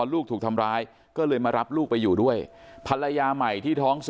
ลูกถูกทำร้ายก็เลยมารับลูกไปอยู่ด้วยภรรยาใหม่ที่ท้อง๔